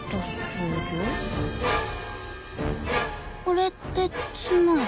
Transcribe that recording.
これってつまり？